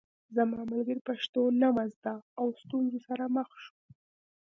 زما ملګري پښتو نه وه زده او ستونزو سره مخ شو